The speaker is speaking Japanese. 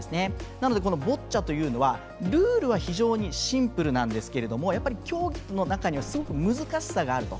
なのでボッチャというのはルールは非常にシンプルなんですけれども競技の中にはすごく難しさがあると。